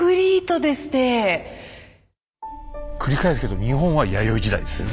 繰り返すけど日本は弥生時代ですよね？